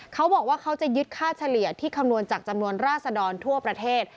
เขาบอกว่าเขาจะยึดค่าเฉลี่ยที่คำนวณจากจำนวนราศดรทั่วประเทศ